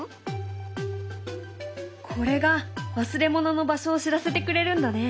これが忘れ物の場所を知らせてくれるんだね。